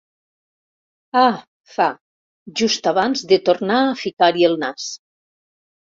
Ah —fa, just abans de tornar a ficar-hi el nas.